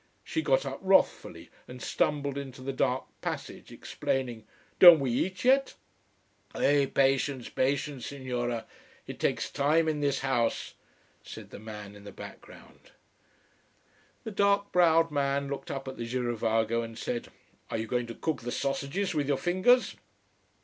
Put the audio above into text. She got up wrathfully and stumbled into the dark passage, exclaiming "Don't we eat yet?" "Eh Patience! Patience, Signora. It takes time in this house," said the man in the background. The dark browed man looked up at the girovago and said: "Are you going to cook the sausages with your fingers?"